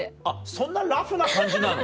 そんなラフな感じなの？